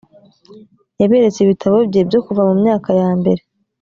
yaberetse ibitabo bye byo kuva mu myaka ya mbere